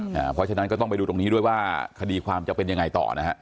เพราะฉะนั้นก็ต้องไปดูตรงนี้ด้วยว่าคดีความจะเป็นยังไงต่อนะฮะ